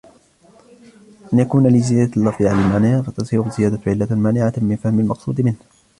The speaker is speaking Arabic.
أَنْ يَكُونَ لِزِيَادَةِ اللَّفْظِ عَلَى الْمَعْنَى فَتَصِيرُ الزِّيَادَةُ عِلَّةً مَانِعَةً مِنْ فَهْمِ الْمَقْصُودِ مِنْهُ